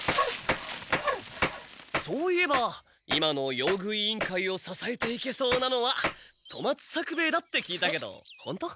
そういえば今の用具委員会をささえていけそうなのは富松作兵衛だってきいたけどほんと？